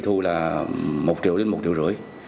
thu là một triệu đến một triệu rưỡi